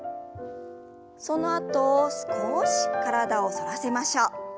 そのあと少し体を反らせましょう。